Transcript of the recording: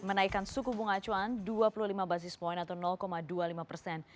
menaikkan suku bunga acuan dua puluh lima basis point atau dua puluh lima persen